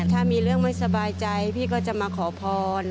ถ้ามีเรื่องไม่สบายใจพี่ก็จะมาขอพร